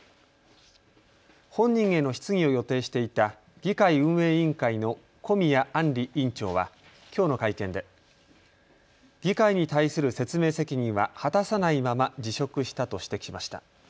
本人への質疑を予定していた議会運営委員会の小宮安里委員長はきょうの会見で議会に対する説明責任は果たさないまま辞職したと指摘しました。